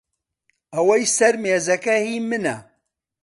ئەوەی سەر مێزەکە هی منە.